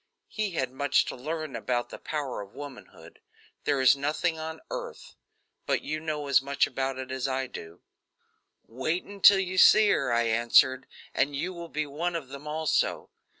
He had much to learn about the power of womanhood. There is nothing on earth but you know as much about it as I do. "Wait until you see her," I answered, "and you will be one of them, also.